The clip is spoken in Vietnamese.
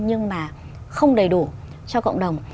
nhưng mà không đầy đủ cho cộng đồng